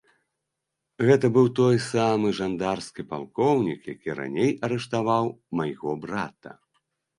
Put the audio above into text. Гэта быў той самы жандарскі палкоўнік, які раней арыштаваў майго брата.